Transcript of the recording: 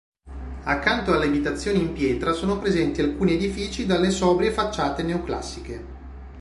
Accanto alle abitazioni in pietra sono presenti alcuni edifici dalle sobrie facciate neoclassiche.